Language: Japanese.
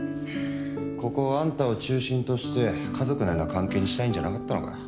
ここをあんたを中心として家族のような関係にしたいんじゃなかったのかよ。